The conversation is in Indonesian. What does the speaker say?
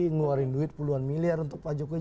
ngeluarin duit puluhan miliar untuk pak jokowi